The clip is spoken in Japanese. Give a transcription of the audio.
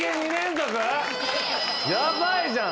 ヤバいじゃん！